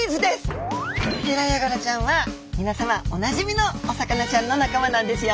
ヘラヤガラちゃんは皆様おなじみのお魚ちゃんの仲間なんですよ。